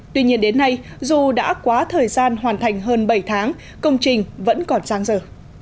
tuy nhiên đến nay dù đã quá thời gian hoàn thành hơn bảy tháng công trình vẫn còn giang dở